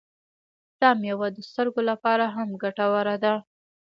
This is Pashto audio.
دا میوه د سترګو لپاره هم ګټوره ده.